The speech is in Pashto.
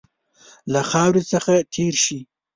له خاوري څخه تېر شي.